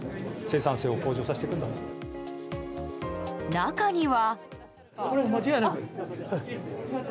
中には。